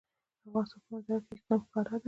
د افغانستان په منظره کې اقلیم ښکاره ده.